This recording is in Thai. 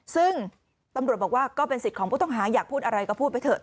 ซึ่งตำรวจบอกว่าก็เป็นสิทธิ์ของผู้ต้องหาอยากพูดอะไรก็พูดไปเถ